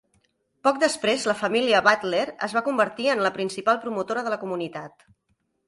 Poc després, la família Butler es va convertir en la principal promotora de la comunitat.